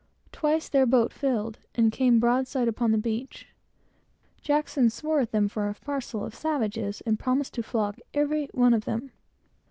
Twice, their boat filled, and came broadside upon the beach. Jackson swore at them for a parcel of savages, and promised to flog every one of them.